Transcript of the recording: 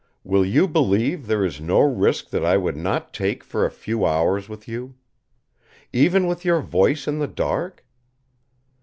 Will you believe there is no risk that I would not take for a few hours with you? Even with your voice in the dark?